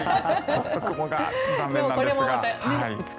ちょっと雲が残念なんですが。